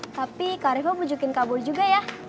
tapi kak reva pujukin kak boy juga ya